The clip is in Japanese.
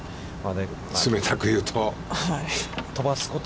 冷たく言うと。